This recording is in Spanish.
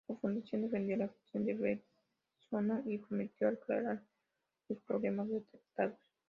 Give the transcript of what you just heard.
La Fundación defendió la gestión de Berzosa y prometió aclarar los problemas detectados.